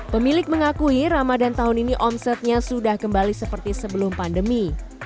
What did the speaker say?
pemilik mengakui ramadan tahun ini omsetnya sudah kembali seperti sebelum pandemi